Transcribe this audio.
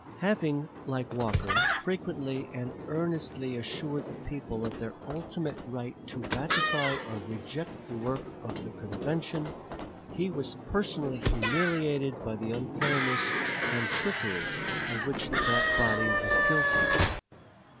Having, like Walker, frequently and earnestly assured the people of their ultimate right to ratify or reject the work of the convention, he was personally humiliated by the unfairness and trickery of which that body was guilty.